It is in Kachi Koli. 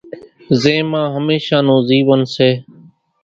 زين مان ھميشا نون زيون سي۔